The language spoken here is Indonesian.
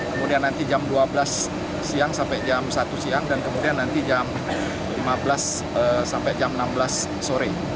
kemudian nanti jam dua belas siang sampai jam satu siang dan kemudian nanti jam lima belas sampai jam enam belas sore